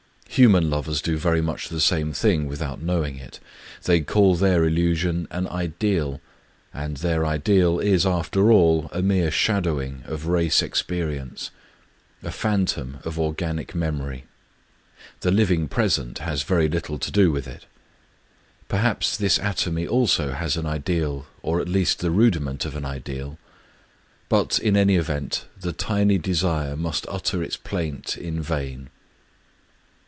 ... Human lovers do very much the same thing without knowing it. They call their illu sion an Ideal; and their Ideal is, after all, a mere shadowing of race experience, a phantom of organic memory. The living present has very little to do Digitized by Googk 238 KUSA HIBARI with it. .•• Perhaps this atomy also has an ideal, or at least the rudiment of an ideal; but, in any event, the tiny desire must utter its plaint in vain.